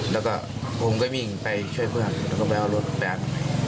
แล้วก็ผมก็วิ่งไปช่วยเพื่อนแล้วก็ไปเอารถแบด